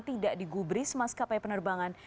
tidak digubris mas kapai penerbangan